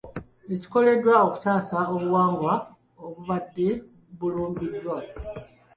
Kikoleddwa okutaasa obuwangwa obubadde bulumbiddwa.